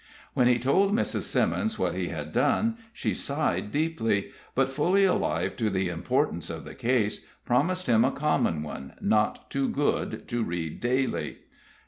When he told Mrs. Simmons what he had done, she sighed deeply; but fully alive to the importance of the case, promised him a common one, not too good to read daily.